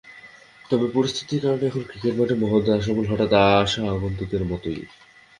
তবে পরিস্থিতির কারণে এখন ক্রিকেট মাঠেও মোহাম্মদ আশরাফুল হঠাৎ আসা আগন্তুকের মতোই।